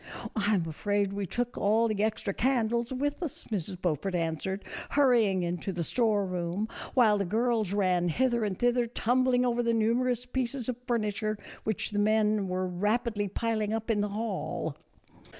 " I 'm afraid we took all the extra candles with us," Mrs. Beaufort answered, hurrying into the store room, while the girls ran hither and thither tumbling over the numerous pieces of furniture which the men were rapidly piling up in the hall.